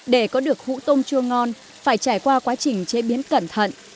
để có được hũ tôm chua ngon phải trải qua quá trình chế biến cẩn thận